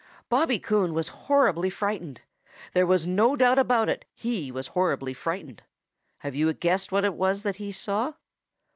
Bobby Coon was horribly frightened. There was no doubt about it, he was horribly frightened. Have you guessed what it was that he saw?